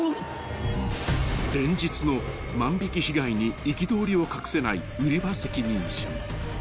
［連日の万引被害に憤りを隠せない売り場責任者］